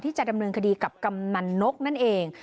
จะดำเนินคดีกับกำนันนกนั่นเอง